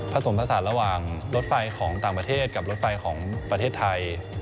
สมผสานระหว่างรถไฟของต่างประเทศกับรถไฟของประเทศไทย